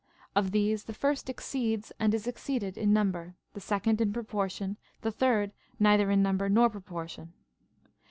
Of these the first exceeds and is exceeded in number, the second in proportion, the third neither in number nor proportion.